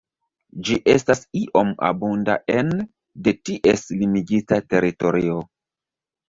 Ĝi estas iom abunda ene de ties limigita teritorio.